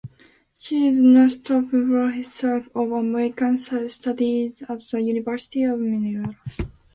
She is Northrop Professor of American Studies at the University of Minnesota.